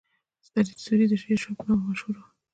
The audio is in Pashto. فرید سوري د شیرشاه په نامه مشهور و.